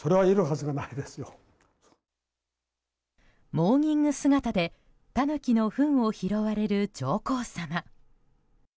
モーニング姿でタヌキのふんを拾われる上皇さま。